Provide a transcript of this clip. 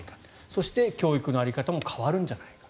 そして、教育の在り方も変わるんじゃないか。